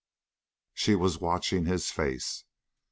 She was watching his face.